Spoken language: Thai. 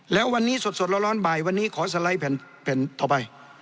แล้ววันนี้สดร้อนบ่ายวันนี้ขอสไลด์แผ่นต่อไป